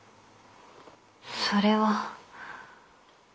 それは。